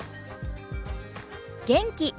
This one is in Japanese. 元気。